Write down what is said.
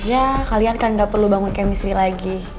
ya kalian kan gak perlu bangun chemistry lagi